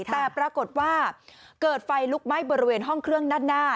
แต่ปรากฏว่าเกิดไฟลุกไหม้บริเวณห้องเครื่องด้านหน้า